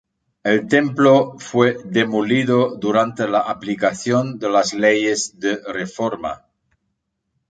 El templo fue demolido durante la aplicación de las Leyes de Reforma.